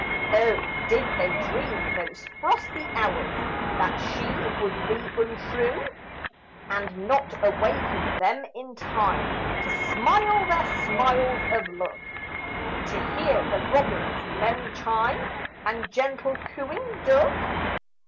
Oh, did they dream those frosty hours That she would be untrue And not awaken them in time To smile their smiles of love, To hear the robin's merry chime, And gentle cooing dove?